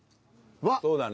そうだね。